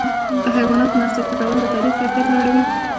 د حیواناتو نسل ښه کول د تولید کیفیت لوړوي.